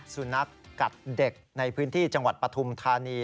สุนัขกัดเด็กในพื้นที่จังหวัดปฐุมธานี